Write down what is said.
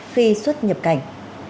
khi xuất nhập cảnh